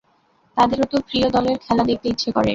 তাঁদেরও তো প্রিয় দলের খেলা দেখতে ইচ্ছে করে।